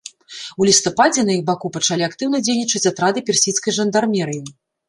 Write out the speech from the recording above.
У лістападзе на іх баку пачалі актыўна дзейнічаць атрады персідскай жандармерыі.